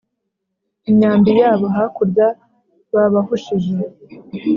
imyambi yabo hakurya babahushije